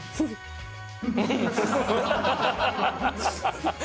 ハハハハ！